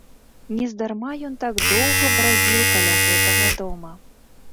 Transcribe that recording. Нездарма ён так доўга брадзіў каля гэтага дома.